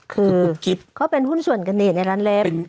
คือคุบกิฟต์เขาเป็นหุ้นส่วนกระเน่ในร้านเล็บ